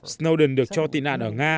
snowden được cho tị nạn ở nga